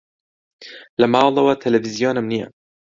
لە ماڵەوە تەلەڤیزیۆنم نییە.